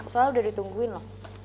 soalnya udah ditungguin lho